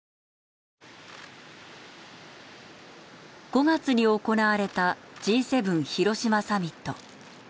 ５月に行われたＧ７広島サミット。